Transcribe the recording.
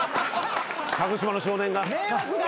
鹿児島の少年が。